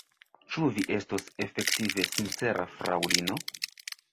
Ĉu vi estos efektive sincera, fraŭlino?